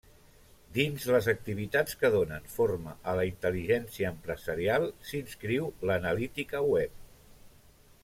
Dins les activitats que donen forma a la intel·ligència empresarial s'inscriu l'analítica web.